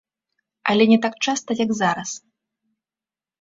Але не так часта, як зараз.